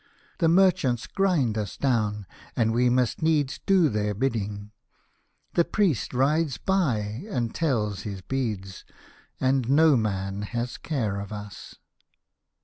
The merchants grind us down, and we must needs do their bidding. The priest rides by and tells his beads, and no man has care of us.